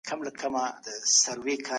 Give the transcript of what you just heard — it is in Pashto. اقتصادي نظام باید د ټولو لپاره وي.